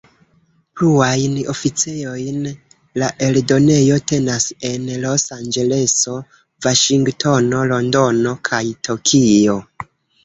Pluajn oficejojn la eldonejo tenas en Los-Anĝeleso, Vaŝingtono, Londono kaj Tokio.